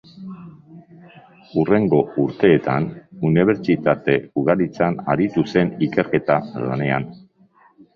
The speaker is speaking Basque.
Hurrengo urteetan, unibertsitate ugaritan aritu zen ikerketa-lanean.